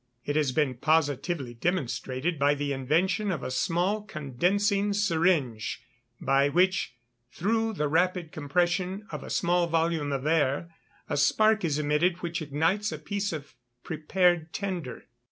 _ It has been positively demonstrated by the invention of a small condensing syringe, by which, through the rapid compression of a small volume of air, a spark is emitted which ignites a piece of prepared tinder.